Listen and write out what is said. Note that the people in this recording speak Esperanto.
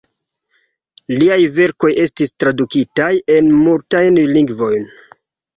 Liaj verkoj estis tradukitaj en multajn lingvojn.